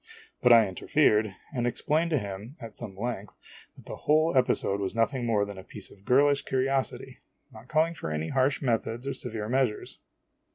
but I interfered, and ex plained to him, at some length, that the whole episode was nothing more than a piece of girlish curiosity, not calling for any harsh methods or severe measures.